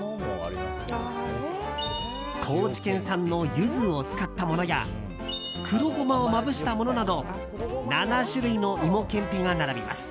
高知県産のユズを使ったものや黒ゴマをまぶしたものなど７種類の芋けんぴが並びます。